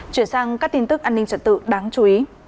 chuyển sang các tin tức an ninh trật tự đáng chú ý